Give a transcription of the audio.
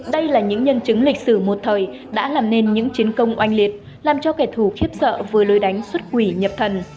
đây là những nhân chứng lịch sử một thời đã làm nên những chiến công oanh liệt làm cho kẻ thù khiếp sợ với lối đánh xuất quỷ nhập thần